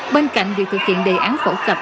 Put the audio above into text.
bên cạnh việc thực hiện đề án phổ cập